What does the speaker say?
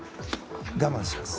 我慢します。